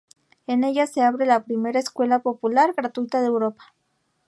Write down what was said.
En ella se abre la primera "Escuela popular" gratuita de Europa.